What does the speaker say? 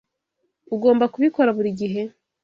Ugomba kubikora buri gihe?